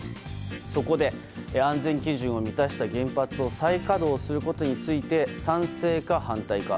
そこで、安全基準を満たした原発を再稼働することについて賛成か、反対か。